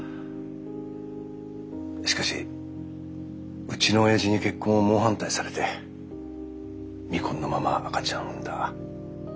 しかしうちのおやじに結婚を猛反対されて未婚のまま赤ちゃんを産んだ。